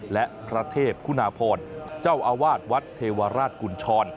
และพระเทพคุณาพรเจ้าอาวาสวัดเทวราชกุญชร